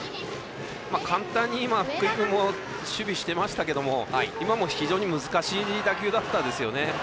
簡単に福井君も守備していましたけど難しい打球だったんですよね。